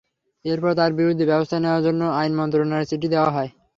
এরপর তাঁর বিরুদ্ধে ব্যবস্থা নেওয়ার জন্য আইন মন্ত্রণালয়ে চিঠি দেওয়া হয়।